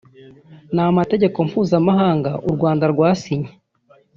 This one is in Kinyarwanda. n’amategeko mpuzamahanga urwanda rwasinye